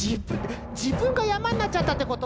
じぶんがやまになっちゃったってこと？